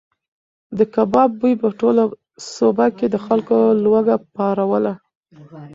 د کباب بوی په ټوله سوبه کې د خلکو لوږه پاروله.